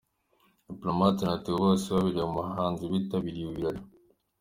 Diplomate na Theo Bose Babireba mu bahanzi bitabiriye ibi birori.